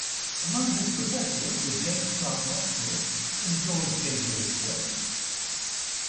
Among his professors were James Clerk Maxwell and George Gabriel Stokes.